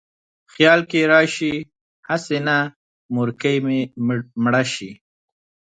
خیال کې لاړ شې: هسې نه مورکۍ مې مړه شي